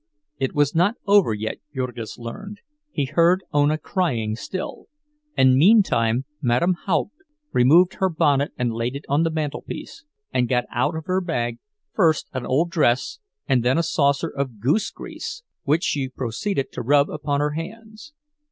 It was not over yet, Jurgis learned—he heard Ona crying still; and meantime Madame Haupt removed her bonnet and laid it on the mantelpiece, and got out of her bag, first an old dress and then a saucer of goose grease, which she proceeded to rub upon her hands.